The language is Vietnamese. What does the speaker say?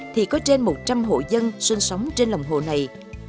thì có trên một trăm linh hộ dân sinh sống trên lòng hồ này